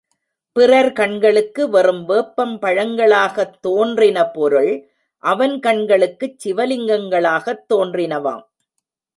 பிறர் கண்களுக்கு வெறும் வேப்பம் பழங்களாகத் தோன்றின பொருள் அவன் கண்களுக்குச் சிவலிங்கங்களாகத் தோன்றினவாம்.